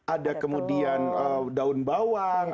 ada kemudian daun bawang